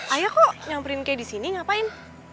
ayah kok nyamperin kay di sini ngapain